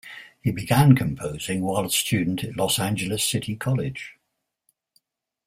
He began composing while a student at Los Angeles City College.